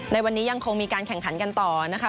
ในวันนี้ยังคงมีการแข่งขันกันต่อนะคะ